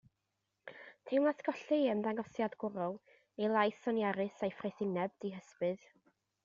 Teimlais golli ei ymddangosiad gwrol, ei lais soniarus a'i ffraethineb dihysbydd.